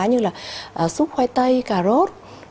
như là súp khoai tây cà rốt